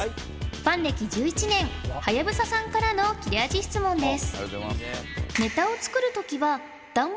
ファン歴１１年ハヤブサさんからの切れ味質問です